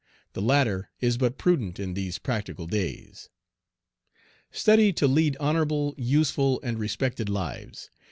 The latter is but prudent in these practical days. Study to lead honorable, useful, and respected lives.